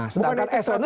sedangkan eson itu